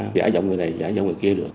giả giọng người này giả giọng người kia được